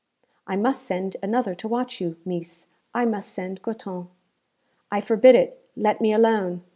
'I must send another to watch you, Meess; I must send Goton.' 'I forbid it. Let me alone.